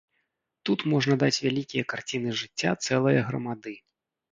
Тут можна даць вялікія карціны жыцця цэлае грамады.